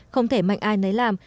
không thể mạnh ai nấy làm